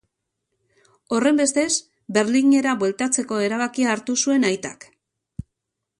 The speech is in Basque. Horrenbestez, Berlinera bueltatzeko erabakia hartu zuen aitak.